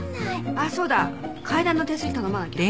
あっそうだ階段の手すり頼まなきゃ。